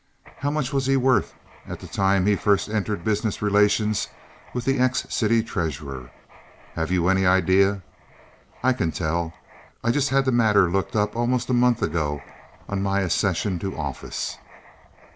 How much was he worth at the time he first entered business relations with the ex city treasurer? Have you any idea? I can tell. I had the matter looked up almost a month ago on my accession to office.